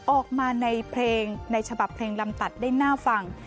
ออกมาในเพลงในฉบับเพลงลำตัดได้น่าฟัง